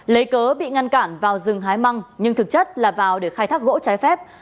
lấy cớ bị ngăn cản vào rừng hái măng nhưng thực chất là vào để khai thác gỗ trái phép